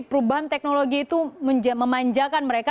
jadi perubahan teknologi itu memanjakan mereka